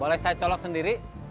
boleh saya colok sendiri